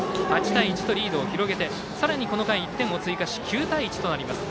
８対１とリードを広げてこの回、１点を追加し９対１となります。